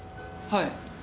はい。